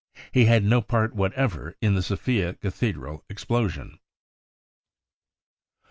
He had no part whatever in the Sofia cathedral explosion.